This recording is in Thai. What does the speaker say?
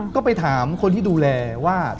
ก็ไปถามคนที่ดูแลว่า